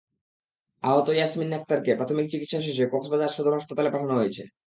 আহত ইয়াসমিন আক্তারকে প্রাথমিক চিকিৎসা শেষে কক্সবাজার সদর হাসপাতালে পাঠানো হয়েছে।